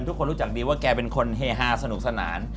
ทุกคนรู้จักดีว่าแกเป็นคนเฮฮาสนุกสนาน